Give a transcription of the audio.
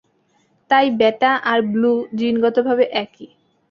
তাই, বেটা আর ব্লু জিনগতভাবে একই।